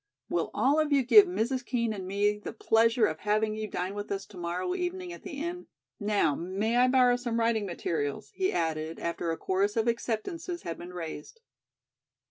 Will all of you give Mrs. Kean and me the pleasure of having you dine with us to morrow evening at the Inn? Now, may I borrow some writing materials?" he added, after a chorus of acceptances had been raised.